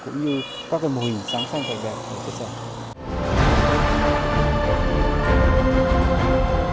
cũng như các mô hình sáng xanh và đẹp của cơ sở